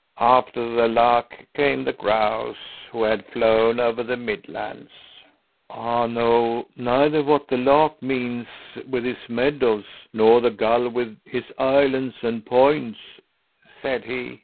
"After the lark came the grouse, who had flown over the midlands. "'I know neither what the lark means with his meadows nor the gull with his islands and points,' said he.